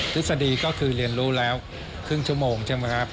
ฤษฎีก็คือเรียนรู้แล้วครึ่งชั่วโมงใช่ไหมครับ